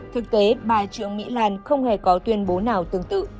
thực tế bà trương mỹ lan không hề có tuyên bố nào tương tự